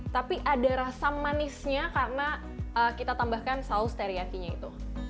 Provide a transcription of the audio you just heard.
tapi ada rasa manisnya karena kita tambahkan saus teriyakinya itu